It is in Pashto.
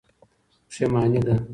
پښېماني ده.